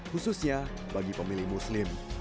khususnya bagi pemilih muslim